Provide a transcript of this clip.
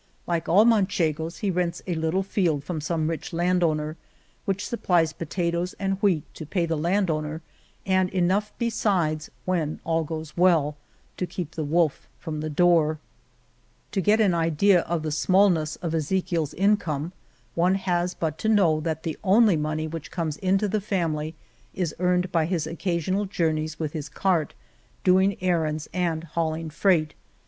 Like all Manchegos, he rents a little field from some rich land owner, which supplies potatoes and wheat to pay the land owner, and enough besides, when all goes well, to keep the wolf from the door. The Cave of Montesinos To get an idea of the smallness of Eze chieFs income one has but to know that the only money which comes into the family is earned by his occasional journeys with his cart, doing errands and hauling freight.